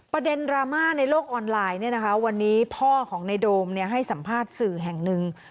ประเด็นดราม่าในโลกออนไลน์วันนี้พ่อของในโดมให้สัมภาษณ์สื่อแห่งหนึ่ง